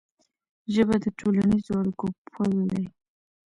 ژبه د ټولنیزو اړیکو پل دی.